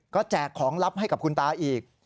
ก็แจกของลับให้กับคุณตาอีก